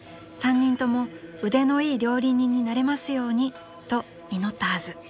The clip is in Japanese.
［３人とも「腕のいい料理人になれますように」と祈ったはず］